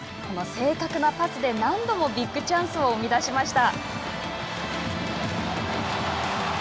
この正確なパスで何度もビッグチャンスを生み出しました。